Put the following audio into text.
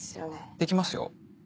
できますよ。